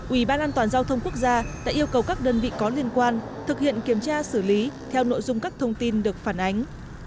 ủy ban an toàn giao thông quốc gia đã yêu cầu các đơn vị có liên quan thực hiện kiểm tra xử lý theo nội dung các thông tin được phản ánh